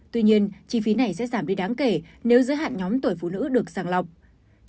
tuy nhiên chi phí này sẽ giảm đi đáng kể nếu giới hạn nhóm tuổi phụ nữ được sàng lọc